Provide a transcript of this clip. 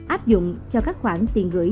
áp dụng cho các khoản tiền gửi